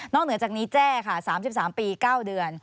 เหนือจากนี้แจ้ค่ะ๓๓ปี๙เดือน